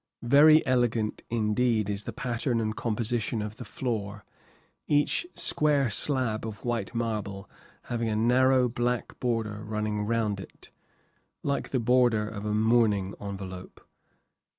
Very elegant indeed is the pattern and composition of the floor, each square slab of white marble having a narrow black border running round it, like the border of a mourning envelope.